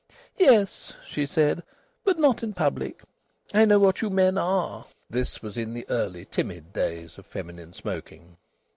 "Yes," she said, "but not in public. I know what you men are." This was in the early, timid days of feminine smoking.